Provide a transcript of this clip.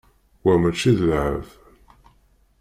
Wa mačči d llεeb.